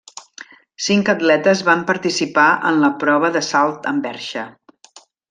Cinc atletes van participar en la prova de salt amb perxa.